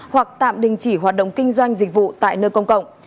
hoặc tạm đình chỉ hoạt động kinh doanh dịch vụ tại nơi công cộng